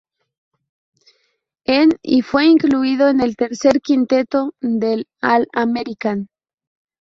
En y fue incluido en el tercer quinteto del All-American.